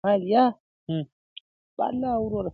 توره شپه ده غوړېدلې له هر څه ده ساه ختلې-